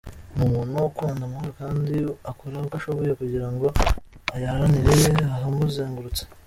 Ni umuntu ukunda amahoro kandi akora uko ashoboye kugira ngo ayaharanire ahamuzengurutse.